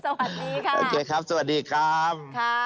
สวัสดีค่ะโอเคครับสวัสดีครับ